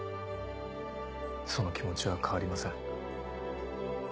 その気持ちは変わりません。